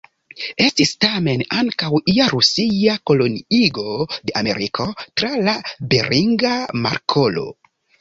Estis tamen ankaŭ ia Rusia koloniigo de Ameriko tra la Beringa Markolo.